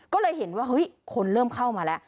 ก็เลยเห็นว่าเฮ้ยคนเริ่มเข้ามาแล้ว